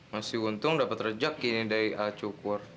masih untung dapat rejek gini dari alat cukur